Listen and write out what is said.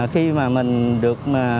khi mà mình được